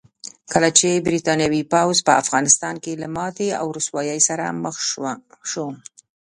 کله چې برتانوي پوځ په افغانستان کې له ماتې او رسوایۍ سره مخ شو.